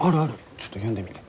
ちょっと読んでみて。